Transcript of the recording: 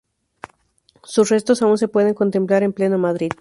Sus restos aún se pueden contemplar en pleno Madrid.